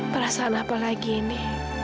perasaan apa lagi ini